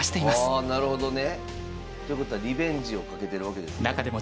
あなるほどね。ということはリベンジを懸けてるわけですね。